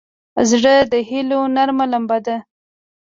زړه د هيلو نرمه لمبه ده.